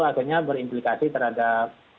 akhirnya berimplikasi terhadap